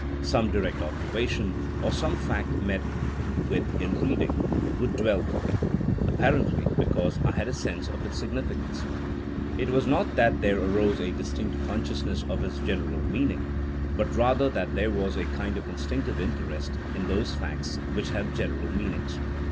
Some direct observation, or some fact met with in reading, would dwell with me: apparently because I had a sense of its significance* It was not that there arose a distinct consciousness of its general meaning; but rather that there was a kind of instinctive interest in those facts which have general meanings.